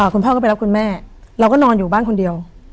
คุณพ่อก็ไปรับคุณแม่เราก็นอนอยู่บ้านคนเดียว